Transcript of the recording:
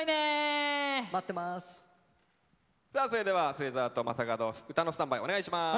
さあそれでは末澤と正門は歌のスタンバイお願いします。